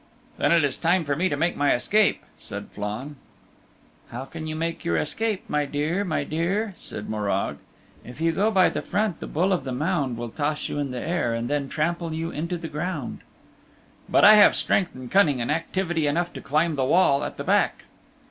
"Then it is time for me to make my escape," said Flann. "How can you make your escape, my dear, my dear?" said Morag. "If you go by the front the Bull of the Mound will toss you in the air and then trample you into the ground." "But I have strength and cunning and activity enough to climb the wall at the back."